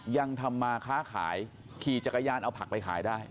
ยังทำมาค้าขายขี่จักรยานเอาผักไปขายได้